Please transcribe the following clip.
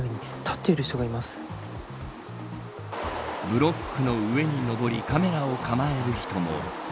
ブロックの上に上りカメラを構える人も。